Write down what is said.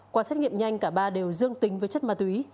qua xét nghiệm nhanh cả ba đều dương tính với chất ma túy